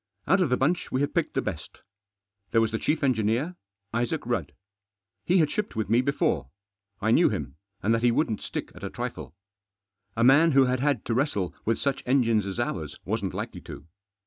Out of the bunch we had picked the best. There was the chief engineer, Isaac Rudd. He had shipped with me before. I knew him, and that he wouldn't stick at a trifle. A man who had had to wrestle with such engines as ours wasn't likely to.